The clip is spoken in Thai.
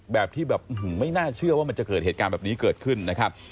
แบบที่แบบไม่น่าเชื่อว่ามันจะเกิดเหตุการณ์แบบนี้เกิดขึ้นนะครับ